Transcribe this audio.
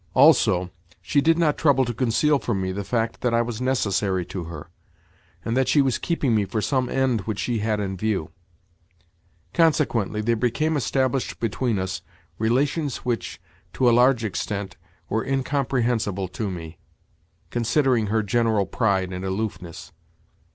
Also, she did not trouble to conceal from me the fact that I was necessary to her, and that she was keeping me for some end which she had in view. Consequently there became established between us relations which, to a large extent, were incomprehensible to me, considering her general pride and aloofness.